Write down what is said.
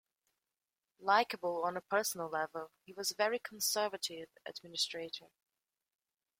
Likeable on a personal level, he was a very conservative administrator.